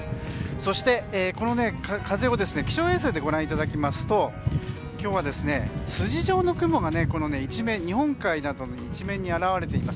そして、この風を気象衛星でご覧いただきますと今日は筋状の雲が日本海などの一面に現れています。